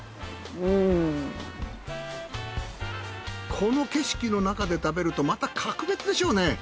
この景色の中で食べるとまた格別でしょうね。